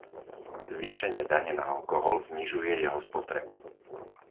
Zvýšenie dane na alkohol znižuje jeho spotrebu.